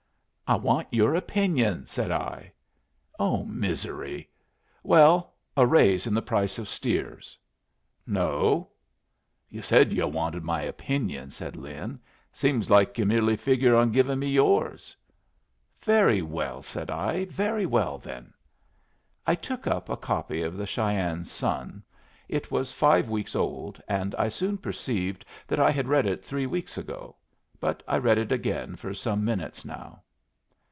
"I want your opinion," said I. "Oh, misery! Well, a raise in the price of steers." "No." "Yu' said yu' wanted my opinion," said Lin. "Seems like yu' merely figure on givin' me yours." "Very well," said I. "Very well, then." I took up a copy of the Cheyenne Sun. It was five weeks old, and I soon perceived that I had read it three weeks ago; but I read it again for some minutes now.